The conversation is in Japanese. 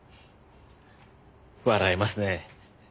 笑えますね。